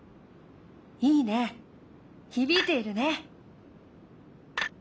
いいね響いているね。